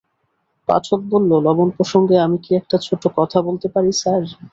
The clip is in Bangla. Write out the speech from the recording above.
পাঠক বলল, লবণ প্রসঙ্গে আমি কি একটা ছোট্ট কথা বলতে পারি স্যার?